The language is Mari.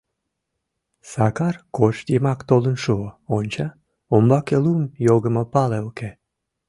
Сакар кож йымак толын шуо, онча: умбаке лум йогымо пале уке.